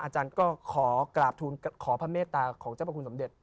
อาจารย์ก็ขอกราบทูลขอพระเมตตาของเจ้าพระคุณสมเด็จ